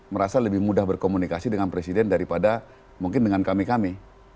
merasa lebih mudah berkomunikasi dengan presiden daripada mungkin dengan kami kami